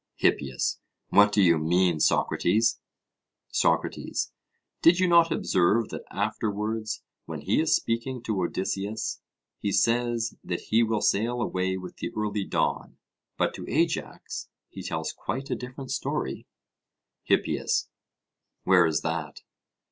HIPPIAS: What do you mean, Socrates? SOCRATES: Did you not observe that afterwards, when he is speaking to Odysseus, he says that he will sail away with the early dawn; but to Ajax he tells quite a different story? HIPPIAS: Where is that?